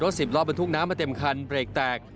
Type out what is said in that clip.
เหตุรถสิบล้อเป็นทุกน้ำมาเต็มคันเบรกแตก